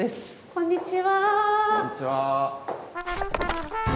こんにちは。